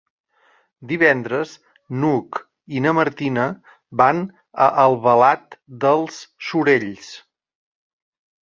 Divendres n'Hug i na Martina van a Albalat dels Sorells.